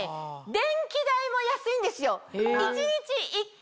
電気代も安いんですよ！